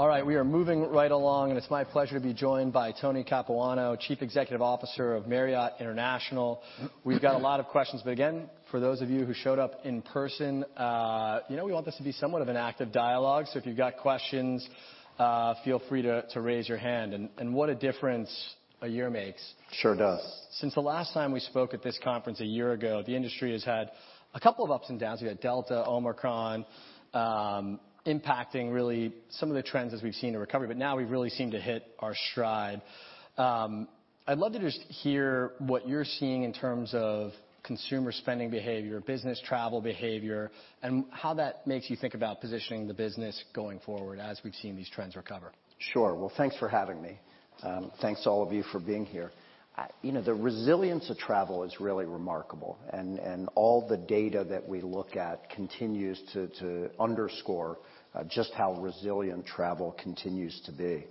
All right, we are moving right along, and it's my pleasure to be joined by Tony Capuano, Chief Executive Officer of Marriott International. We've got a lot of questions, but again, for those of you who showed up in person, you know we want this to be somewhat of an active dialogue, so if you've got questions, feel free to raise your hand. What a difference a year makes. Sure does. Since the last time we spoke at this conference a year ago, the industry has had a couple of ups and downs. We had Delta, Omicron, impacting really some of the trends as we've seen a recovery, but now we really seem to hit our stride. I'd love to just hear what you're seeing in terms of consumer spending behavior, business travel behavior, and how that makes you think about positioning the business going forward as we've seen these trends recover. Sure. Well, thanks for having me. Thanks to all of you for being here. You know, the resilience of travel is really remarkable, and all the data that we look at continues to underscore just how resilient travel continues to be.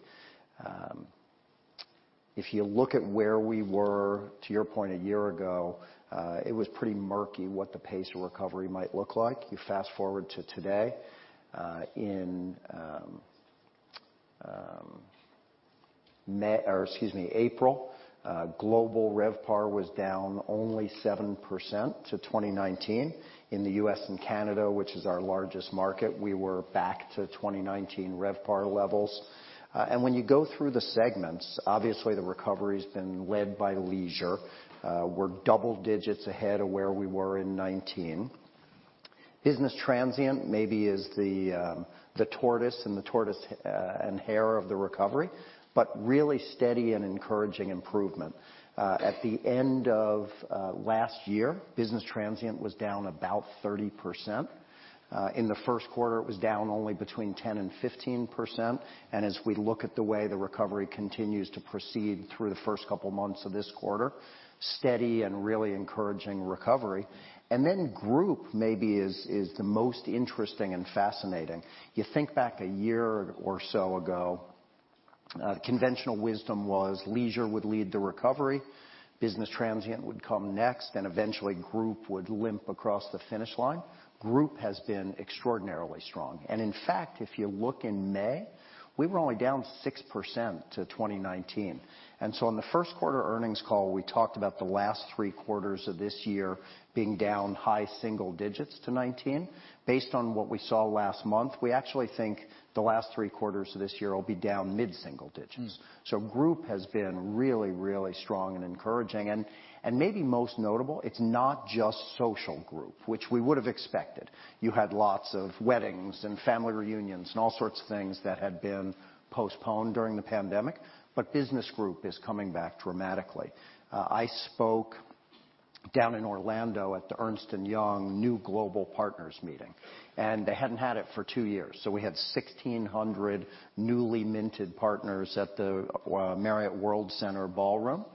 If you look at where we were, to your point a year ago, it was pretty murky what the pace of recovery might look like. You fast-forward to today, in April, global RevPAR was down only 7% to 2019. In the U.S. and Canada, which is our largest market, we were back to 2019 RevPAR levels. When you go through the segments, obviously the recovery's been led by leisure. We're double digits ahead of where we were in 2019. Business transient maybe is the tortoise and the hare of the recovery, but really steady and encouraging improvement. At the end of last year, business transient was down about 30%. In the first quarter, it was down only between 10% and 15%, and as we look at the way the recovery continues to proceed through the first couple months of this quarter, steady and really encouraging recovery. Then group maybe is the most interesting and fascinating. You think back a year or so ago, conventional wisdom was leisure would lead the recovery, business transient would come next, and eventually group would limp across the finish line. Group has been extraordinarily strong. In fact, if you look in May, we were only down 6% to 2019. On the first quarter earnings call, we talked about the last three quarters of this year being down high single digits to 19%. Based on what we saw last month, we actually think the last three quarters of this year will be down mid-single digits. Mm. Group has been really, really strong and encouraging. And maybe most notable, it's not just social group, which we would have expected. You had lots of weddings and family reunions and all sorts of things that had been postponed during the pandemic, but business group is coming back dramatically. I spoke down in Orlando at the Ernst & Young new global partners meeting, and they hadn't had it for two years. We had 1,600 newly minted partners at the Marriott World Center Ballroom,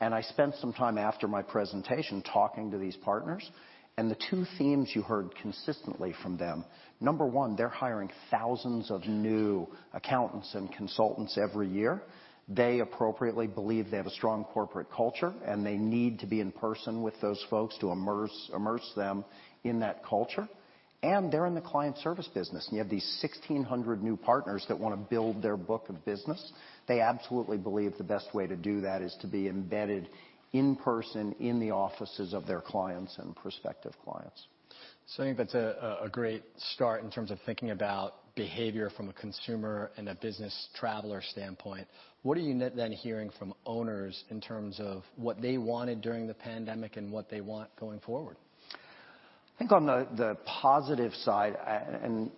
and I spent some time after my presentation talking to these partners. The two themes you heard consistently from them, number 1, they're hiring thousands of new accountants and consultants every year. They appropriately believe they have a strong corporate culture, and they need to be in person with those folks to immerse them in that culture. They're in the client service business, and you have these 1,600 new partners that wanna build their book of business. They absolutely believe the best way to do that is to be embedded in person in the offices of their clients and prospective clients. I think that's a great start in terms of thinking about behavior from a consumer and a business traveler standpoint. What are you then hearing from owners in terms of what they wanted during the pandemic and what they want going forward? I think on the positive side,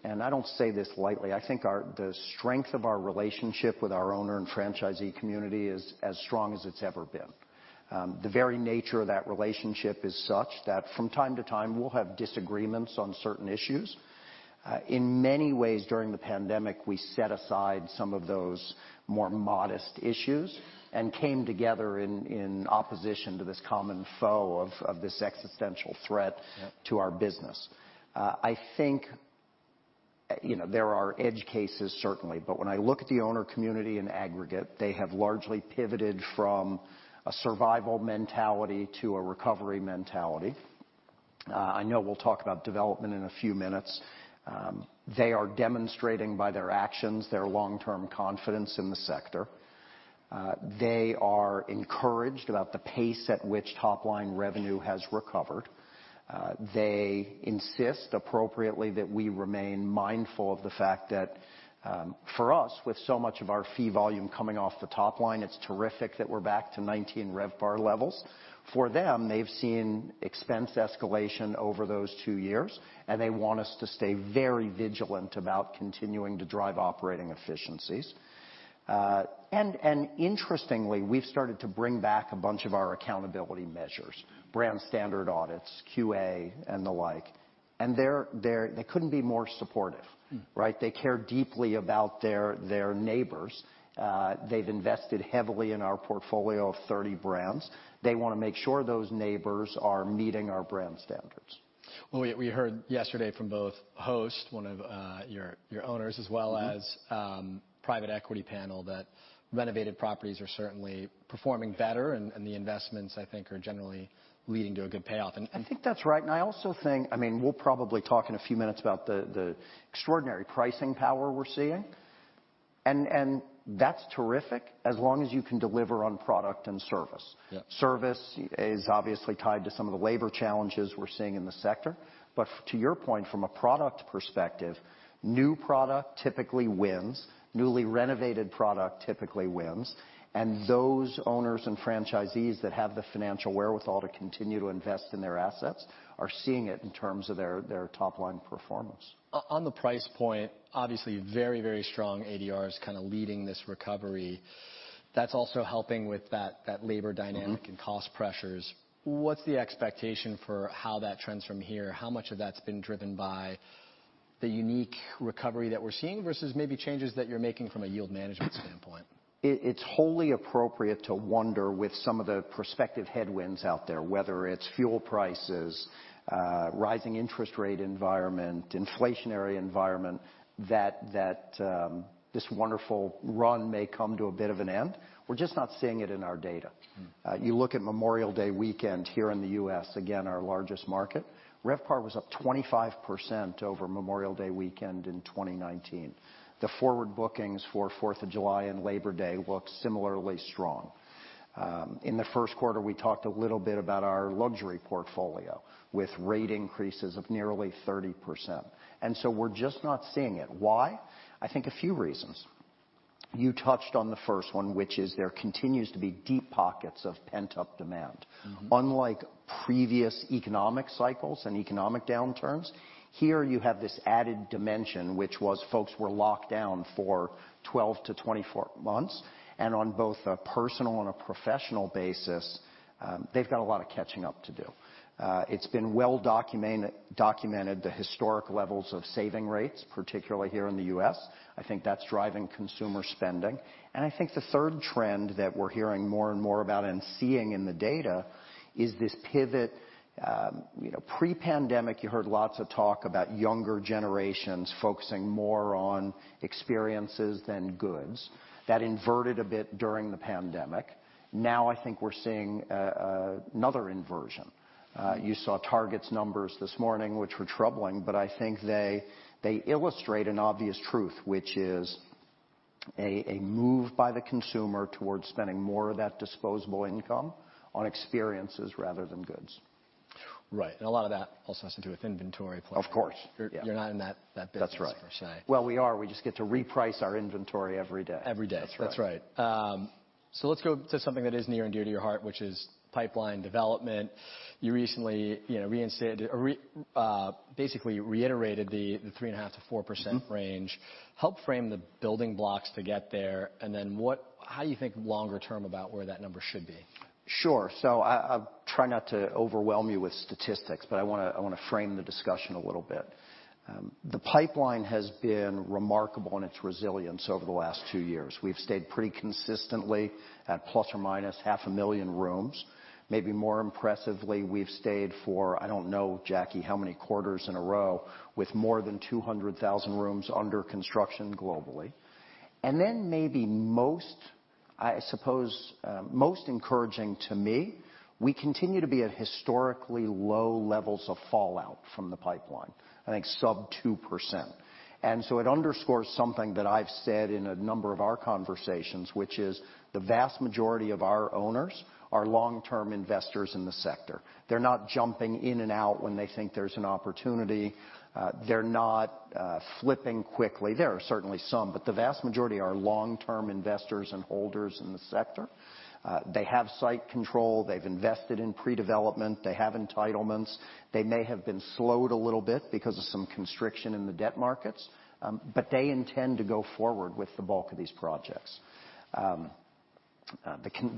and I don't say this lightly, I think the strength of our relationship with our owner and franchisee community is as strong as it's ever been. The very nature of that relationship is such that from time to time we'll have disagreements on certain issues. In many ways during the pandemic, we set aside some of those more modest issues and came together in opposition to this common foe of this existential threat. Yeah. to our business. I think, you know, there are edge cases certainly, but when I look at the owner community in aggregate, they have largely pivoted from a survival mentality to a recovery mentality. I know we'll talk about development in a few minutes. They are demonstrating by their actions their long-term confidence in the sector. They are encouraged about the pace at which top-line revenue has recovered. They insist appropriately that we remain mindful of the fact that, for us, with so much of our fee volume coming off the top line, it's terrific that we're back to 2019 RevPAR levels. For them, they've seen expense escalation over those two years, and they want us to stay very vigilant about continuing to drive operating efficiencies. Interestingly, we've started to bring back a bunch of our accountability measures. Mm. Brand standard audits, QA and the like, and they couldn't be more supportive. Mm. Right? They care deeply about their neighbors. They've invested heavily in our portfolio of 30 brands. They wanna make sure those neighbors are meeting our brand standards. Well, we heard yesterday from both Host, one of your owners as well as- Mm-hmm. Private equity panel that renovated properties are certainly performing better and the investments I think are generally leading to a good payoff. I think that's right, and I also think, I mean, we'll probably talk in a few minutes about the extraordinary pricing power we're seeing. That's terrific, as long as you can deliver on product and service. Yeah. Service is obviously tied to some of the labor challenges we're seeing in the sector. To your point, from a product perspective, new product typically wins, newly renovated product typically wins, and those owners and franchisees that have the financial wherewithal to continue to invest in their assets are seeing it in terms of their top line performance. On the price point, obviously very, very strong ADRs kinda leading this recovery. That's also helping with that labor dynamic and- Mm-hmm cost pressures. What's the expectation for how that trends from here? How much of that's been driven by the unique recovery that we're seeing versus maybe changes that you're making from a yield management standpoint? It's wholly appropriate to wonder with some of the prospective headwinds out there, whether it's fuel prices, rising interest rate environment, inflationary environment, that this wonderful run may come to a bit of an end. We're just not seeing it in our data. Mm. You look at Memorial Day weekend here in the U.S., again, our largest market. RevPAR was up 25% over Memorial Day weekend in 2019. The forward bookings for July 4th and Labor Day look similarly strong. In the first quarter, we talked a little bit about our luxury portfolio with rate increases of nearly 30%. We're just not seeing it. Why? I think a few reasons. You touched on the first one, which is there continues to be deep pockets of pent-up demand. Mm-hmm. Unlike previous economic cycles and economic downturns, here you have this added dimension, which was folks were locked down for 12-24 months, and on both a personal and a professional basis, they've got a lot of catching up to do. It's been well documented, the historic levels of saving rates, particularly here in the U.S. I think that's driving consumer spending. I think the third trend that we're hearing more and more about and seeing in the data is this pivot, you know, pre-pandemic, you heard lots of talk about younger generations focusing more on experiences than goods. That inverted a bit during the pandemic. Now, I think we're seeing another inversion. You saw Target's numbers this morning, which were troubling, but I think they illustrate an obvious truth, which is a move by the consumer towards spending more of that disposable income on experiences rather than goods. Right. A lot of that also has to do with inventory planning. Of course. Yeah. You're not in that business. That's right. per se. Well, we are. We just get to reprice our inventory every day. Every day. That's right. That's right. Let's go to something that is near and dear to your heart, which is pipeline development. You recently, you know, reinstated or basically reiterated the 3.5%-4% range. Mm-hmm. Help frame the building blocks to get there, and then what, how do you think longer term about where that number should be? Sure. I'll try not to overwhelm you with statistics, but I wanna frame the discussion a little bit. The pipeline has been remarkable in its resilience over the last two years. We've stayed pretty consistently at plus or minus 500,000 rooms. Maybe more impressively, we've stayed for, I don't know, Jackie, how many quarters in a row, with more than 200,000 rooms under construction globally. Maybe most encouraging to me, we continue to be at historically low levels of fallout from the pipeline. I think sub 2%. It underscores something that I've said in a number of our conversations, which is the vast majority of our owners are long-term investors in the sector. They're not jumping in and out when they think there's an opportunity. They're not flipping quickly. There are certainly some, but the vast majority are long-term investors and holders in the sector. They have site control. They've invested in pre-development. They have entitlements. They may have been slowed a little bit because of some constriction in the debt markets, but they intend to go forward with the bulk of these projects.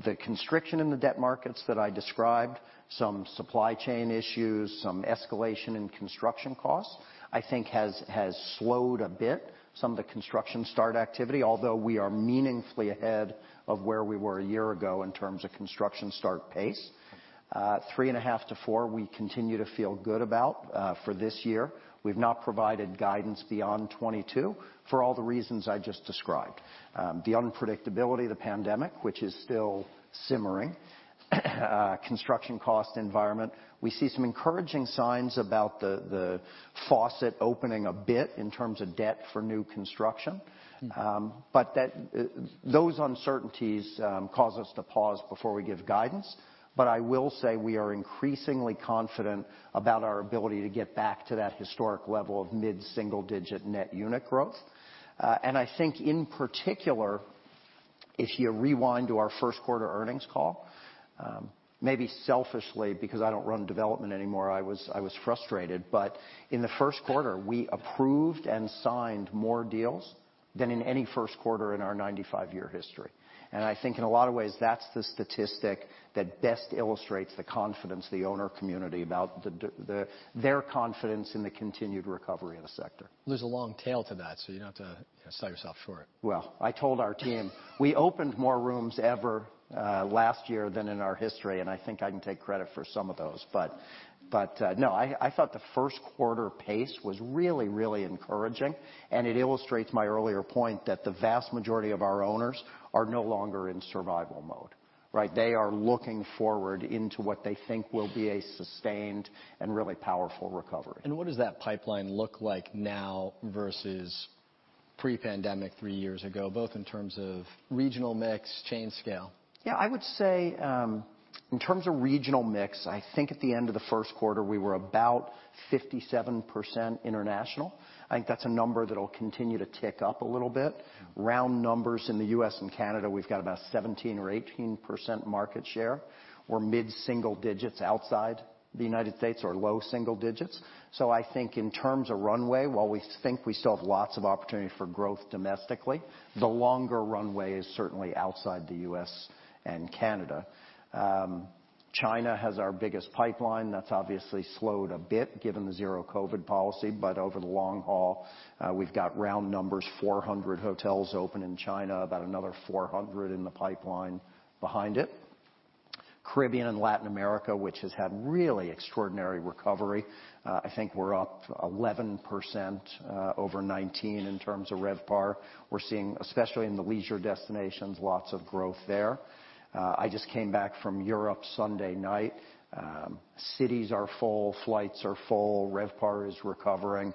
The constriction in the debt markets that I described, some supply chain issues, some escalation in construction costs, I think has slowed a bit some of the construction start activity, although we are meaningfully ahead of where we were a year ago in terms of construction start pace. 3.5-4, we continue to feel good about for this year. We've not provided guidance beyond 2022 for all the reasons I just described. The unpredictability of the pandemic, which is still simmering, construction cost environment. We see some encouraging signs about the faucet opening a bit in terms of debt for new construction. Those uncertainties cause us to pause before we give guidance. I will say we are increasingly confident about our ability to get back to that historic level of mid-single digit net unit growth. I think in particular, if you rewind to our first quarter earnings call, maybe selfishly because I don't run development anymore, I was frustrated, but in the first quarter, we approved and signed more deals than in any first quarter in our 95-year history. I think in a lot of ways, that's the statistic that best illustrates the confidence the owner community about their confidence in the continued recovery of the sector. There's a long tail to that, so you don't have to sell yourself short. Well, I told our team, we opened more rooms ever last year than in our history, and I think I can take credit for some of those. No, I thought the first quarter pace was really, really encouraging, and it illustrates my earlier point that the vast majority of our owners are no longer in survival mode. Right? They are looking forward into what they think will be a sustained and really powerful recovery. What does that pipeline look like now versus pre-pandemic three years ago, both in terms of regional mix, chain scale? Yeah, I would say in terms of regional mix, I think at the end of the first quarter, we were about 57% international. I think that's a number that'll continue to tick up a little bit. Round numbers in the U.S. and Canada, we've got about 17% or 18% market share. We're mid-single digits outside the United States or low single digits. I think in terms of runway, while we think we still have lots of opportunity for growth domestically, the longer runway is certainly outside the U.S. and Canada. China has our biggest pipeline. That's obviously slowed a bit given the zero COVID policy. Over the long haul, we've got round numbers, 400 hotels open in China, about another 400 in the pipeline behind it. Caribbean and Latin America, which has had really extraordinary recovery. I think we're up 11% over 2019 in terms of RevPAR. We're seeing, especially in the leisure destinations, lots of growth there. I just came back from Europe Sunday night. Cities are full, flights are full, RevPAR is recovering.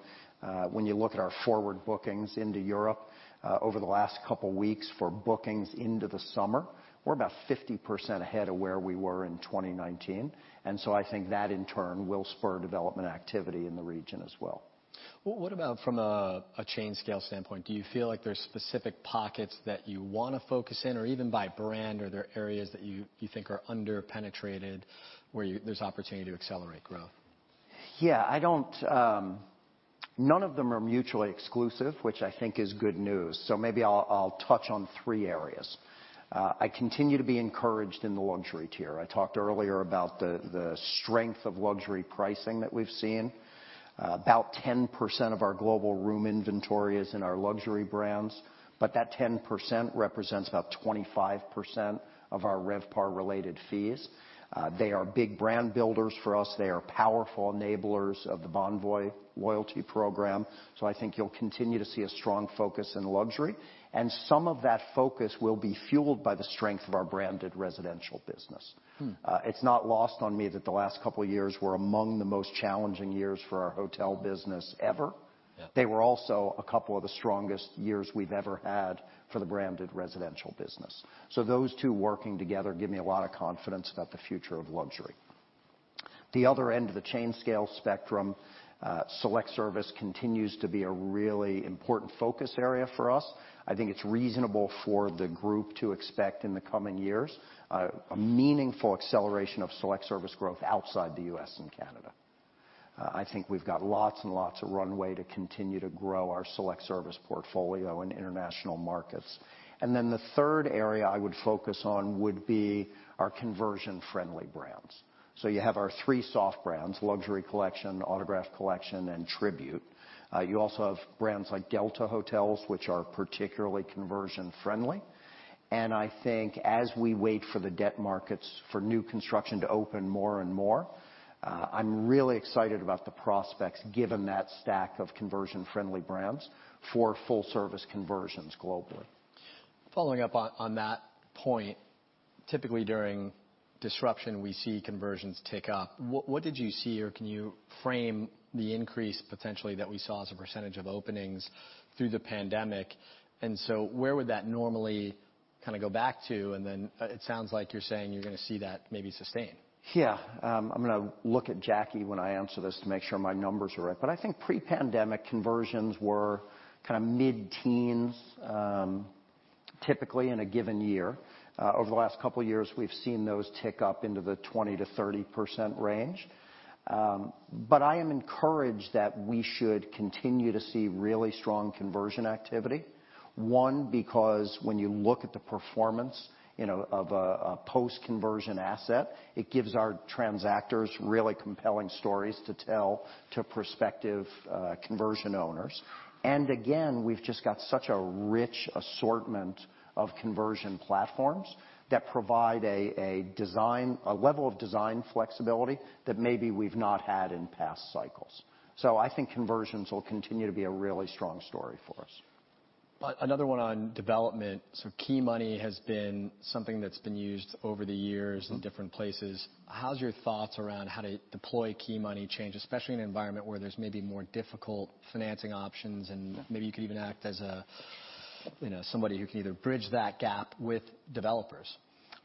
When you look at our forward bookings into Europe, over the last couple of weeks for bookings into the summer, we're about 50% ahead of where we were in 2019. I think that in turn will spur development activity in the region as well. Well, what about from a chain scale standpoint? Do you feel like there's specific pockets that you wanna focus in or even by brand? Are there areas that you think are under-penetrated where there's opportunity to accelerate growth? Yeah. None of them are mutually exclusive, which I think is good news. Maybe I'll touch on three areas. I continue to be encouraged in the luxury tier. I talked earlier about the strength of luxury pricing that we've seen. About 10% of our global room inventory is in our luxury brands, but that 10% represents about 25% of our RevPAR-related fees. They are big brand builders for us. They are powerful enablers of the Bonvoy loyalty program. I think you'll continue to see a strong focus in luxury, and some of that focus will be fueled by the strength of our branded residential business. Hmm. It's not lost on me that the last couple of years were among the most challenging years for our hotel business ever. Yeah. They were also a couple of the strongest years we've ever had for the branded residential business. Those two working together give me a lot of confidence about the future of luxury. The other end of the chain scale spectrum, select service continues to be a really important focus area for us. I think it's reasonable for the group to expect in the coming years, a meaningful acceleration of select service growth outside the U.S. and Canada. I think we've got lots and lots of runway to continue to grow our select service portfolio in international markets. The third area I would focus on would be our conversion-friendly brands. You have our three soft brands, Luxury Collection, Autograph Collection, and Tribute. You also have brands like Delta Hotels, which are particularly conversion-friendly. I think as we wait for the debt markets for new construction to open more and more, I'm really excited about the prospects given that stack of conversion-friendly brands for full service conversions globally. Following up on that point, typically during disruption, we see conversions tick up. What did you see or can you frame the increase potentially that we saw as a percentage of openings through the pandemic? Where would that normally kinda go back to? It sounds like you're saying you're gonna see that maybe sustain. Yeah. I'm gonna look at Jackie when I answer this to make sure my numbers are right. I think pre-pandemic conversions were kinda mid-teens, typically in a given year. Over the last couple of years, we've seen those tick up into the 20%-30% range. I am encouraged that we should continue to see really strong conversion activity, one, because when you look at the performance of a post-conversion asset, it gives our transactors really compelling stories to tell to prospective conversion owners. Again, we've just got such a rich assortment of conversion platforms that provide a level of design flexibility that maybe we've not had in past cycles. I think conversions will continue to be a really strong story for us. Another one on development. Key money has been something that's been used over the years in different places. How's your thoughts around how to deploy key money change, especially in an environment where there's maybe more difficult financing options, and maybe you could even act as a, you know, somebody who can either bridge that gap with developers?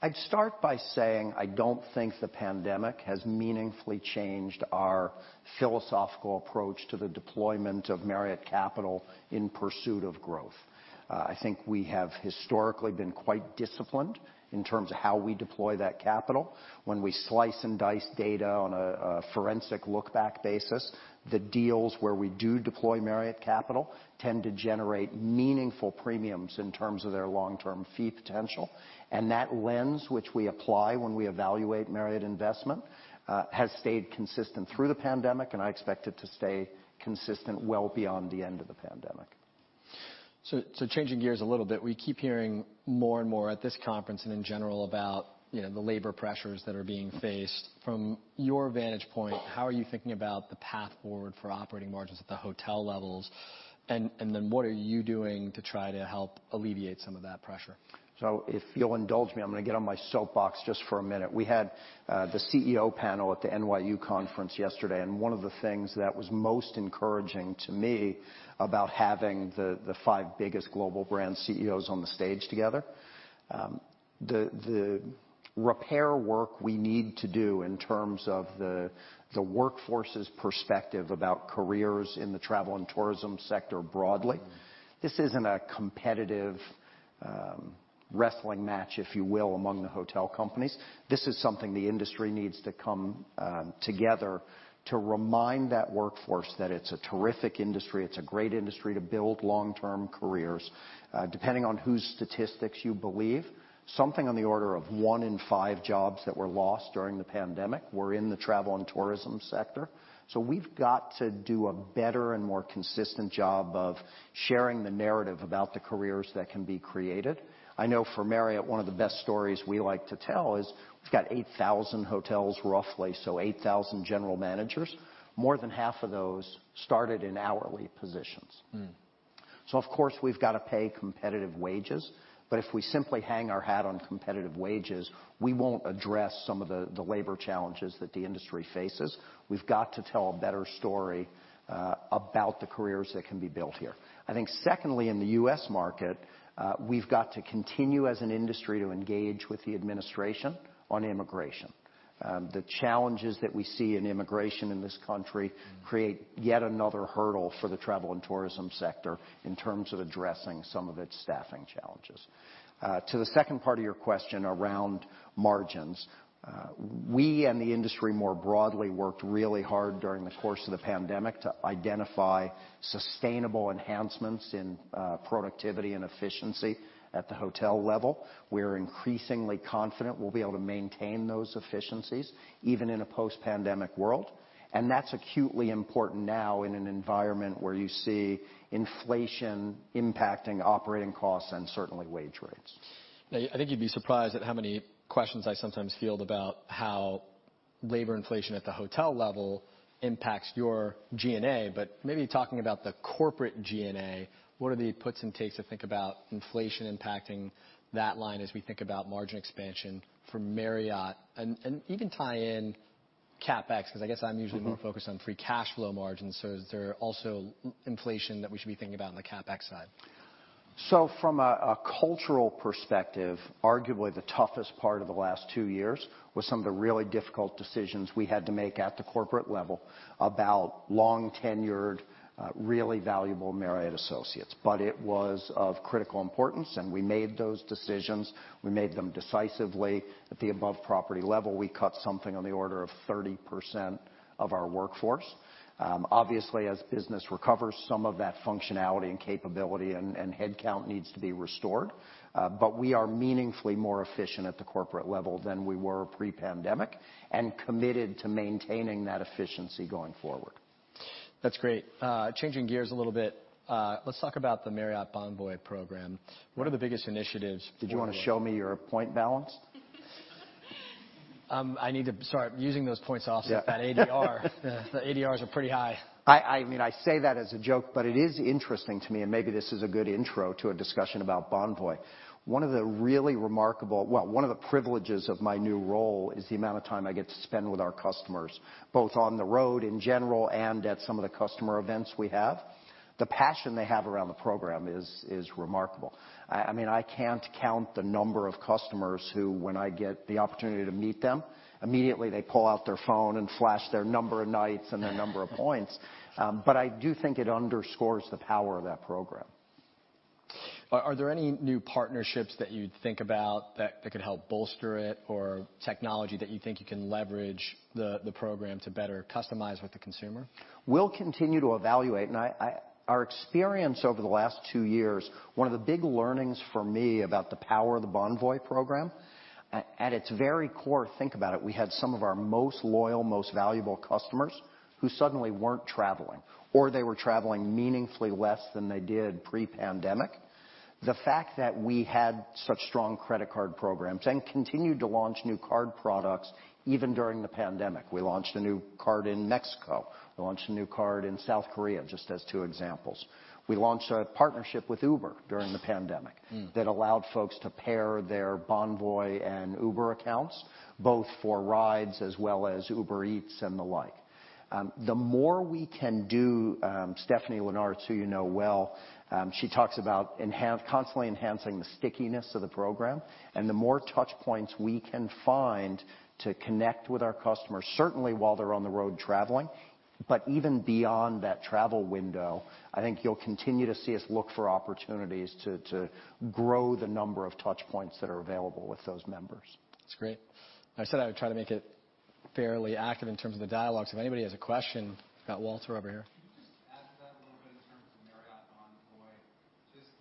I'd start by saying, I don't think the pandemic has meaningfully changed our philosophical approach to the deployment of Marriott capital in pursuit of growth. I think we have historically been quite disciplined in terms of how we deploy that capital. When we slice and dice data on a forensic look back basis, the deals where we do deploy Marriott capital tend to generate meaningful premiums in terms of their long-term fee potential. That lens which we apply when we evaluate Marriott investment has stayed consistent through the pandemic, and I expect it to stay consistent well beyond the end of the pandemic. Changing gears a little bit, we keep hearing more and more at this conference and in general about, you know, the labor pressures that are being faced. From your vantage point, how are you thinking about the path forward for operating margins at the hotel levels? Then what are you doing to try to help alleviate some of that pressure? If you'll indulge me, I'm gonna get on my soapbox just for a minute. We had the CEO panel at the NYU conference yesterday, and one of the things that was most encouraging to me about having the five biggest global brand CEOs on the stage together, the repair work we need to do in terms of the workforce's perspective about careers in the travel and tourism sector broadly. This isn't a competitive wrestling match, if you will, among the hotel companies. This is something the industry needs to come together to remind that workforce that it's a terrific industry, it's a great industry to build long-term careers. Depending on whose statistics you believe, something on the order of one in five jobs that were lost during the pandemic were in the travel and tourism sector. We've got to do a better and more consistent job of sharing the narrative about the careers that can be created. I know for Marriott, one of the best stories we like to tell is we've got 8,000 hotels roughly, so 8,000 general managers. More than half of those started in hourly positions. Mm. Of course, we've gotta pay competitive wages, but if we simply hang our hat on competitive wages, we won't address some of the labor challenges that the industry faces. We've got to tell a better story about the careers that can be built here. I think secondly, in the U.S. market, we've got to continue as an industry to engage with the administration on immigration. The challenges that we see in immigration in this country create yet another hurdle for the travel and tourism sector in terms of addressing some of its staffing challenges. To the second part of your question around margins, we and the industry more broadly worked really hard during the course of the pandemic to identify sustainable enhancements in productivity and efficiency at the hotel level. We're increasingly confident we'll be able to maintain those efficiencies even in a post-pandemic world, and that's acutely important now in an environment where you see inflation impacting operating costs and certainly wage rates. Now, I think you'd be surprised at how many questions I sometimes field about how labor inflation at the hotel level impacts your G&A, but maybe talking about the corporate G&A, what are the puts and takes to think about inflation impacting that line as we think about margin expansion for Marriott, and even tie in CapEx, 'cause I guess I'm usually more focused on free cash flow margins. Is there also labor inflation that we should be thinking about on the CapEx side? From a cultural perspective, arguably the toughest part of the last two years was some of the really difficult decisions we had to make at the corporate level about long-tenured, really valuable Marriott associates. It was of critical importance, and we made those decisions. We made them decisively. At the above property level, we cut something on the order of 30% of our workforce. Obviously, as business recovers, some of that functionality and capability and headcount needs to be restored. We are meaningfully more efficient at the corporate level than we were pre-pandemic, and committed to maintaining that efficiency going forward. That's great. Changing gears a little bit, let's talk about the Marriott Bonvoy program. What are the biggest initiatives for- Did you wanna show me your point balance? I need to start using those points. Also, that ADR. Yeah. The ADRs are pretty high. I mean, I say that as a joke, but it is interesting to me, and maybe this is a good intro to a discussion about Bonvoy. Well, one of the privileges of my new role is the amount of time I get to spend with our customers, both on the road in general and at some of the customer events we have. The passion they have around the program is remarkable. I mean, I can't count the number of customers who, when I get the opportunity to meet them, immediately they pull out their phone and flash their number of nights and their number of points. But I do think it underscores the power of that program. Are there any new partnerships that you think about that could help bolster it or technology that you think you can leverage the program to better customize with the consumer? We'll continue to evaluate. Our experience over the last two years, one of the big learnings for me about the power of the Bonvoy program, at its very core, think about it, we had some of our most loyal, most valuable customers who suddenly weren't traveling or they were traveling meaningfully less than they did pre-pandemic. The fact that we had such strong credit card programs and continued to launch new card products even during the pandemic. We launched a new card in Mexico. We launched a new card in South Korea, just as two examples. We launched a partnership with Uber during the pandemic- Mm ...that allowed folks to pair their Bonvoy and Uber accounts, both for rides as well as Uber Eats and the like. The more we can do, Stephanie Linnartz, who you know well, she talks about constantly enhancing the stickiness of the program and the more touch points we can find to connect with our customers, certainly while they're on the road traveling. Even beyond that travel window, I think you'll continue to see us look for opportunities to grow the number of touch points that are available with those members. That's great. I said I would try to make it fairly active in terms of the dialogue, so if anybody has a question. We've got Walter over here. Can you just add to that a little bit in terms of Marriott Bonvoy? Just,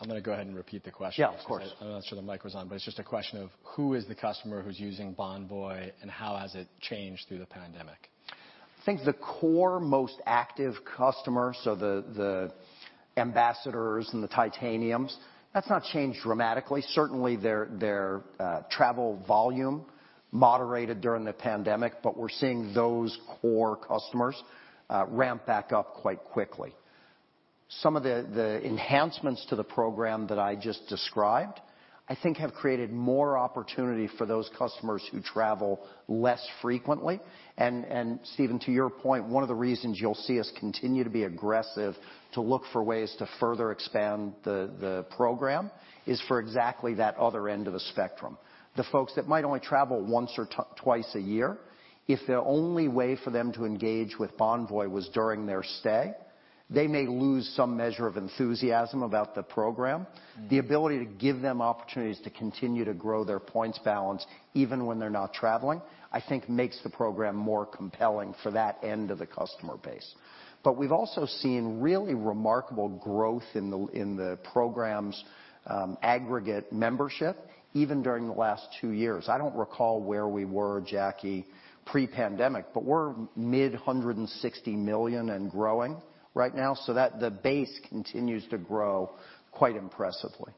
I'm gonna go ahead and repeat the question. Yeah, of course. I'm not sure the mic was on, but it's just a question of who is the customer who's using Bonvoy and how has it changed through the pandemic? I think the core most active customers, so the Ambassadors and the Titaniums, that's not changed dramatically. Certainly their travel volume moderated during the pandemic, but we're seeing those core customers ramp back up quite quickly. Some of the enhancements to the program that I just described, I think have created more opportunity for those customers who travel less frequently. Stephen, to your point, one of the reasons you'll see us continue to be aggressive to look for ways to further expand the program is for exactly that other end of the spectrum. The folks that might only travel once or twice a year. If their only way for them to engage with Bonvoy was during their stay, they may lose some measure of enthusiasm about the program. Mm. The ability to give them opportunities to continue to grow their points balance even when they're not traveling, I think makes the program more compelling for that end of the customer base. We've also seen really remarkable growth in the program's aggregate membership even during the last two years. I don't recall where we were, Jackie, pre-pandemic, but we're mid-160 million and growing right now, so that the base continues to grow quite impressively.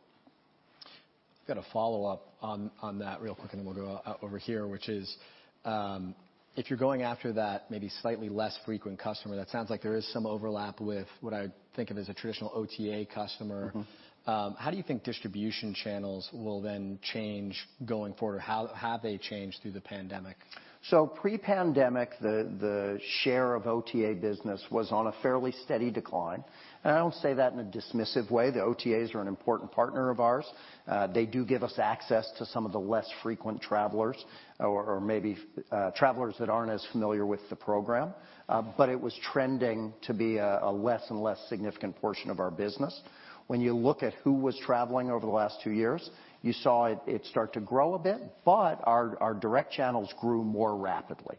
Got a follow-up on that real quick, and then we'll go out over here, which is, if you're going after that maybe slightly less frequent customer, that sounds like there is some overlap with what I think of as a traditional OTA customer. Mm-hmm. How do you think distribution channels will then change going forward? How have they changed through the pandemic? Pre-pandemic, the share of OTA business was on a fairly steady decline. I don't say that in a dismissive way. The OTAs are an important partner of ours. They do give us access to some of the less frequent travelers or travelers that aren't as familiar with the program. But it was trending to be a less and less significant portion of our business. When you look at who was traveling over the last two years, you saw it start to grow a bit, but our direct channels grew more rapidly.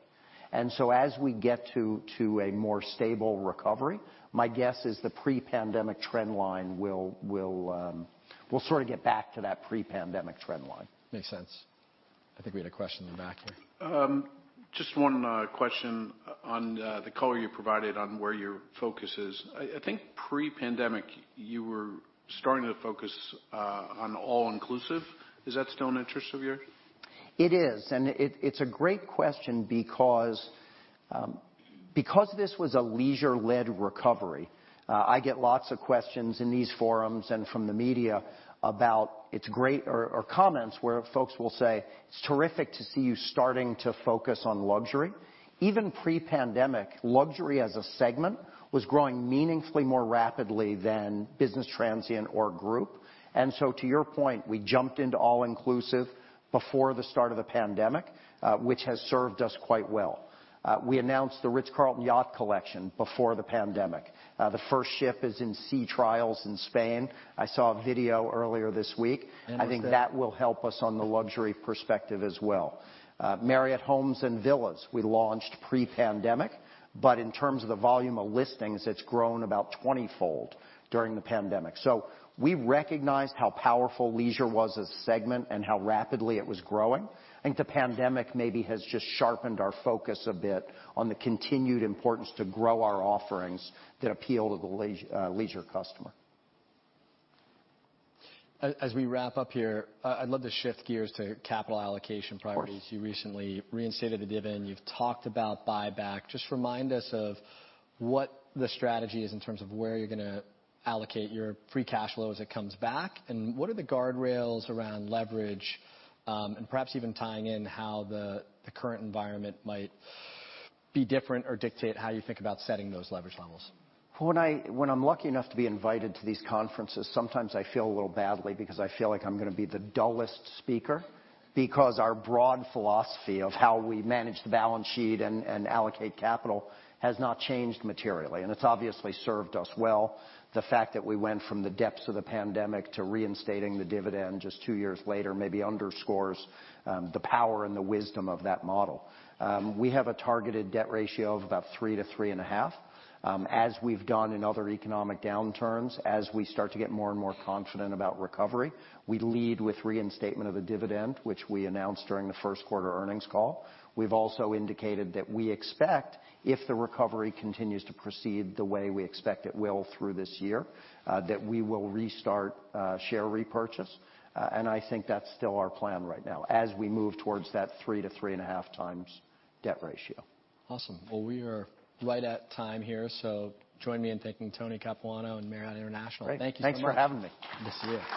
As we get to a more stable recovery, my guess is the pre-pandemic trend line will we'll sort of get back to that pre-pandemic trend line. Makes sense. I think we had a question in the back here. Just one question on the color you provided on where your focus is. I think pre-pandemic you were starting to focus on all-inclusive. Is that still an interest of yours? It's a great question because this was a leisure-led recovery. I get lots of questions in these forums and from the media about comments where folks will say, "It's terrific to see you starting to focus on luxury." Even pre-pandemic, luxury as a segment was growing meaningfully more rapidly than business transient or group. To your point, we jumped into all-inclusive before the start of the pandemic, which has served us quite well. We announced The Ritz-Carlton Yacht Collection before the pandemic. The first ship is in sea trials in Spain. I saw a video earlier this week. Fantastic. I think that will help us on the luxury perspective as well. Homes & Villas by Marriott Bonvoy, we launched pre-pandemic, but in terms of the volume of listings, it's grown about 20-fold during the pandemic. We recognized how powerful leisure was as a segment and how rapidly it was growing. I think the pandemic maybe has just sharpened our focus a bit on the continued importance to grow our offerings that appeal to the leisure customer. As we wrap up here, I'd love to shift gears to capital allocation priorities. Of course. You recently reinstated a dividend. You've talked about buyback. Just remind us of what the strategy is in terms of where you're gonna allocate your free cash flow as it comes back, and what are the guardrails around leverage, and perhaps even tying in how the current environment might be different or dictate how you think about setting those leverage levels. When I'm lucky enough to be invited to these conferences, sometimes I feel a little badly because I feel like I'm gonna be the dullest speaker because our broad philosophy of how we manage the balance sheet and allocate capital has not changed materially, and it's obviously served us well. The fact that we went from the depths of the pandemic to reinstating the dividend just two years later maybe underscores the power and the wisdom of that model. We have a targeted debt ratio of about 3-3.5. As we've done in other economic downturns, as we start to get more and more confident about recovery, we lead with reinstatement of a dividend, which we announced during the first quarter earnings call. We've also indicated that we expect if the recovery continues to proceed the way we expect it will through this year, that we will restart share repurchase. I think that's still our plan right now as we move towards that 3-3.5 times debt ratio. Awesome. Well, we are right at time here, so join me in thanking Tony Capuano and Marriott International. Great. Thank you so much. Thanks for having me. Good to see you.